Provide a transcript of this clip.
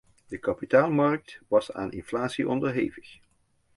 De kapitaalmarkt was aan inflatie onderhevig.